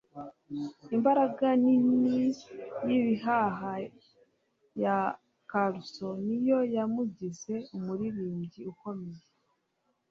imbaraga nini y'ibihaha ya caruso niyo yamugize umuririmbyi ukomeye